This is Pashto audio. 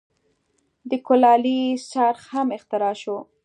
د کولالۍ څرخ هم اختراع شو.